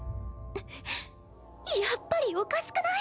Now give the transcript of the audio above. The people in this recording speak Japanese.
やっぱりおかしくない？